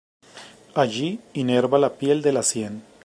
Allí inerva la piel de la sien.